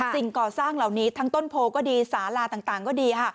สิ่งก่อสร้างเหล่านี้ทั้งต้นโพก็ดีสาลาต่างก็ดีค่ะ